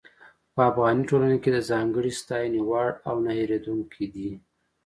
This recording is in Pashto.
په افغاني ټولنه کې د ځانګړې ستاينې وړ او نۀ هېرېدونکي دي.